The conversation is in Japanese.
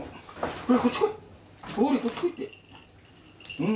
うん。